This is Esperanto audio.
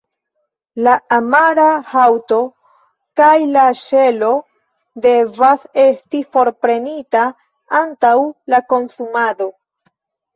La amara haŭto kaj la ŝelo devas esti forprenita antaŭ la konsumado.